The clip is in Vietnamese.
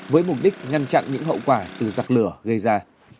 với mục đích ngăn chặn những hậu quả từ giặc lửa gây ra